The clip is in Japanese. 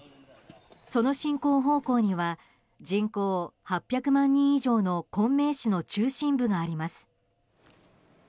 その進行方向には人口８００万人以上の昆明市の中心部があります。